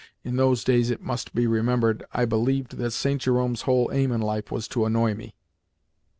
(In those days, it must be remembered, I believed that St. Jerome's whole aim in life was to annoy me.)